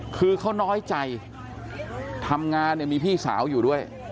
คือเขาน้อยใจทำงานเนี่ยมีพี่สาวอยู่ด้วย